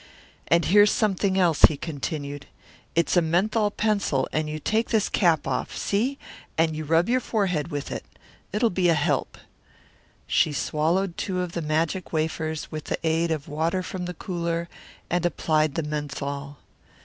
"And here's something else," he continued. "It's a menthol pencil and you take this cap off see? and rub your forehead with it. It'll be a help." She swallowed two of the magic wafers with the aid of water from the cooler, and applied the menthol.